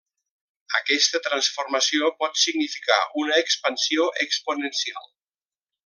Aquesta transformació pot significar una expansió exponencial.